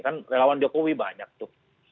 kan relawan jokowi banyak tuh